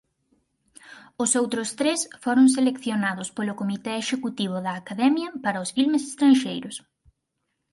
Os outros tres foron seleccionados polo comité executivo da Academia para os filmes estranxeiros.